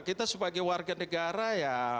kita sebagai warga negara ya